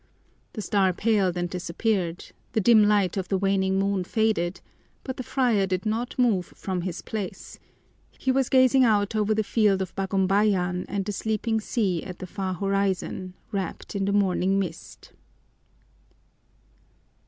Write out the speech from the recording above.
The star paled and disappeared, the dim light of the waning moon faded, but the friar did not move from his place he was gazing out over the field of Bagumbayan and the sleeping sea at the far horizon wrapped in the morning mist.